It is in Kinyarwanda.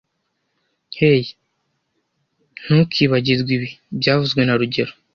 Hey, ntukibagirwe ibi byavuzwe na rugero